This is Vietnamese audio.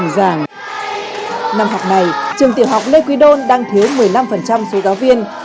năm học này trường tiểu học lê quý đôn đang thiếu một mươi năm số giáo viên